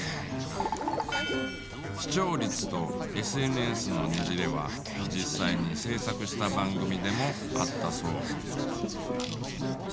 視聴率とＳＮＳのねじれは実際に制作した番組でもあったそう。